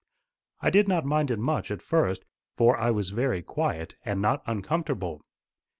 I did not mind it much at first, for I was very quiet, and not uncomfortable.